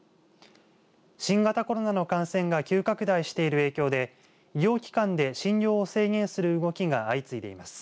新型コロナの感染が急拡大している影響で医療機関で診療を制限する動きが相次いでいます。